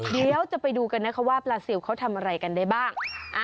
เดี๋ยวจะไปดูกันนะคะว่าปลาซิลเขาทำอะไรกันได้บ้าง